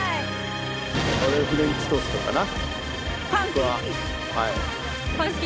俺はフレンチトーストかな。